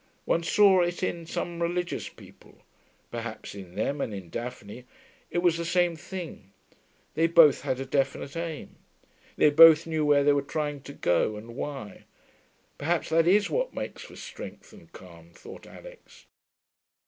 One saw it in some religious people. Perhaps in them and in Daphne it was the same thing: they both had a definite aim; they both knew where they were trying to go, and why. Perhaps that is what makes for strength and calm, thought Alix.